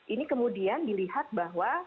ini kemudian dilihat bahwa